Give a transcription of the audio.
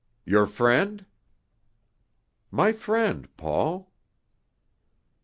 "Your friend?" "My friend, Paul."